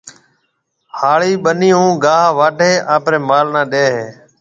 هاڙِي ٻنِي هون گاها واڍيَ اپريَ مال نَي ڏيَ هيَ۔